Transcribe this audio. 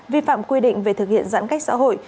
vi phạm quy định về thực hiện giãn cách xã hội